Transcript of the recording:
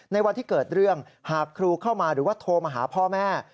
ในวันที่เกิดเรื่องหากครูเข้ามาหรือว่าโทรมาหาพ่อแม่